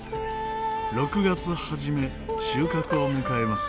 ６月初め収穫を迎えます。